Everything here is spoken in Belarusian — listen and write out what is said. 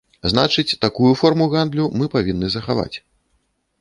Значыць, такую форму гандлю мы павінны захаваць.